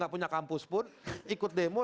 tidak punya kampus pun ikut demo